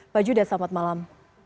pak judah selamat malam